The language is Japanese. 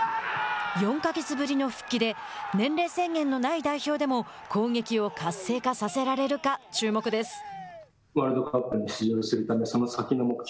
４か月ぶりの復帰で年齢制限のない代表でも攻撃を活性化させられるか注目です。